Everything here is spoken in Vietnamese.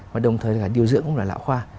mà đồng thời điều dưỡng cũng là lão khoa